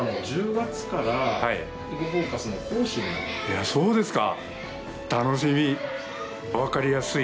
いやそうですか。